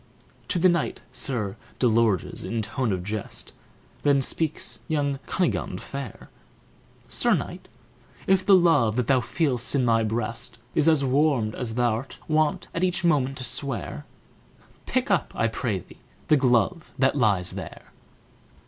To the knight, Sir Delorges, in tone of jest, Then speaks young Cunigund fair; "Sir Knight, if the love that thou feel'st in thy breast Is as warm as thou'rt wont at each moment to swear, Pick up, I pray thee, the glove that lies there!"